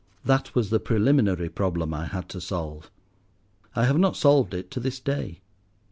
That was the preliminary problem I had to solve; I have not solved it to this day.